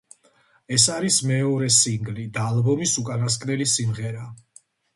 ეს არის მეორე სინგლი და ალბომის უკანასკნელი სიმღერა.